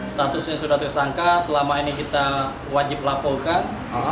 statusnya sudah tersangka selama ini kita wajib laporkan